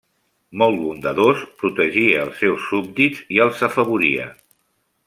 Molt bondadós, protegia els seus súbdits i els afavoria.